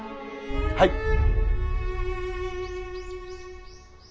はい！